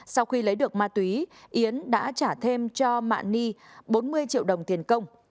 sau khi lấy được ma túy yến đã trả thêm cho mạ ni bốn mươi triệu đồng tiền công